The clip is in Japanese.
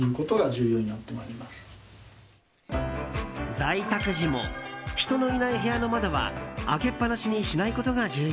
在宅時も人のいない部屋の窓は開けっ放しにしないことが重要。